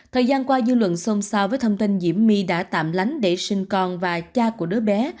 thời gian qua dư luận xôn xao với thông tin diễm my đã tạm lánh để sinh con và cha của đứa bé